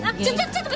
「ちょっと」。